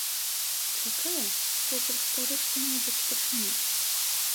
Чакае, покуль стары што-небудзь пачне.